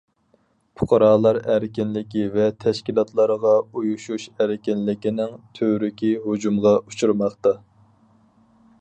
پۇقرالار ئەركىنلىكى ۋە تەشكىلاتلارغا ئۇيۇشۇش ئەركىنلىكىنىڭ تۈۋرۈكى ھۇجۇمغا ئۇچرىماقتا.